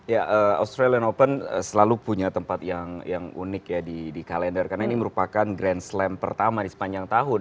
ya australian open selalu punya tempat yang unik ya di kalender karena ini merupakan grand slam pertama di sepanjang tahun